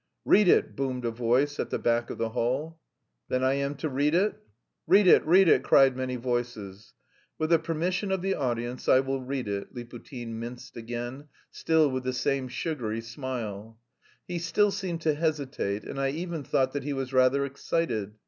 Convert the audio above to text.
"Read it!" boomed a voice at the back of the hall. "Then I am to read it?" "Read it, read it!" cried many voices. "With the permission of the audience I will read it," Liputin minced again, still with the same sugary smile. He still seemed to hesitate, and I even thought that he was rather excited.